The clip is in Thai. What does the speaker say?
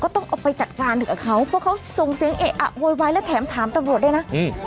ต้องเอาไปจัดการกับเขาเพราะเขาส่งเสียงเอะอะโวยวายและแถมถามตำรวจด้วยนะอืม